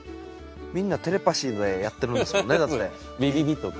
みんなテレパシーでやってるんですよねだって。